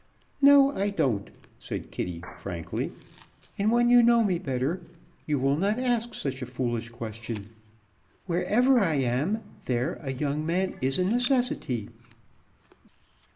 "No, I don't," said Kitty frankly, "and when you know me better, you will not ask such a foolish question. Where ever I am, there a young man is a necessity."